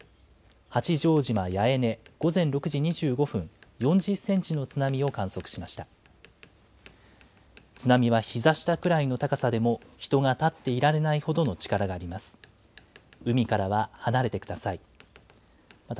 八丈島八重根、午前６時２５分、４０センチの津波を観測しました。